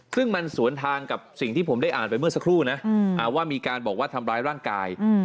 ซึ่งมันสวนทางกับสิ่งที่ผมได้อ่านไปเมื่อสักครู่นะว่ามีการบอกว่าทำร้ายร่างกาย